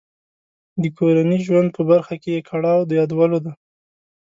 د کورني ژوند په برخه کې یې کړاو د یادولو دی.